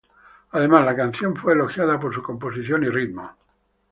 Además, la canción fue elogiada por su composición y ritmo.